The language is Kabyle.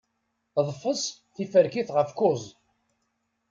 Ḍfes tiferkit ɣef kuẓ.